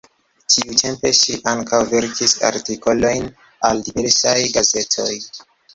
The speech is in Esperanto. Tiutempe ŝi ankaŭ verkis artikolojn al diversaj gazetoj.